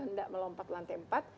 tidak melompat lantai empat